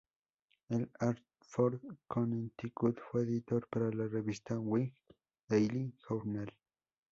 En Hartford, Connecticut, fue editor para la revista "Whig Daily Journal".